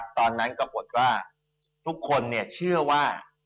ตอนนั้นก็บอกว่าทุกคนเนี่ยเชื่อว่า